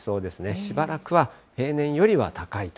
しばらくは平年よりは高いと。